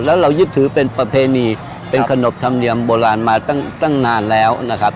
แล้วเรายึดถือเป็นประเพณีเป็นขนบธรรมเนียมโบราณมาตั้งนานแล้วนะครับ